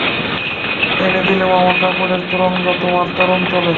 এনে দিলুম আমার কাপড়ের তোরঙ্গ তোমার চরণতলে।